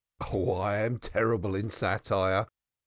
Oh! I am terrible in satire.